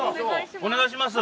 お願いします。